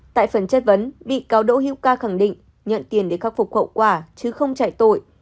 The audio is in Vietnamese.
tại phần chất vấn bị cáo đỗ hữu ca khẳng định nhận tiền để khắc phục hậu quả chứ không chạy tội